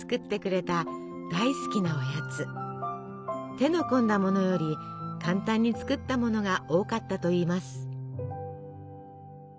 手の込んだものより簡単に作ったものが多かったといいます。